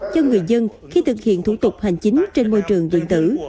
cho người dân khi thực hiện thủ tục hành chính trên môi trường điện tử